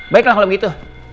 baiklah kalau begitu